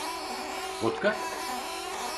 Votka?